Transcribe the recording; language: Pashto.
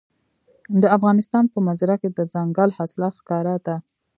د افغانستان په منظره کې دځنګل حاصلات ښکاره ده.